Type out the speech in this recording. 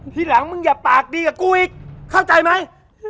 ทีหลังมึงอย่าปากดีกับกูอีกเข้าใจไหม